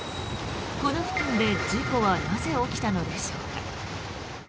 この付近で事故はなぜ起きたのでしょうか。